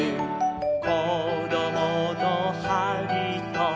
「こどものはりと」